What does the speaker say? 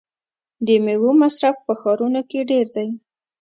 د میوو مصرف په ښارونو کې ډیر دی.